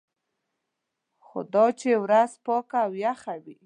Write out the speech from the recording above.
خو دا چې ورځ پاکه او یخه وي.